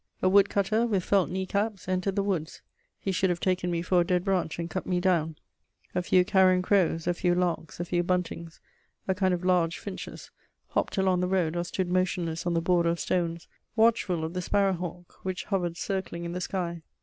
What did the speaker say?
A wood cutter, with felt knee caps, entered the woods: he should have taken me for a dead branch and cut me down. A few carrion crows, a few larks, a few buntings, a kind of large finches, hopped along the road or stood motionless on the border of stones, watchful of the sparrow hawk which hovered circling in the sky.